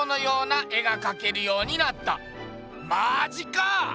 マジか？